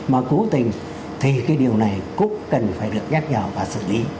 mà cố tình thì cái điều này cũng cần phải được nhắc nhở và xử lý